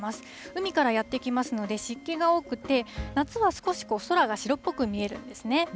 海からやって来ますので、湿気が多くて、夏は少し青空が白っぽく見えるんですね。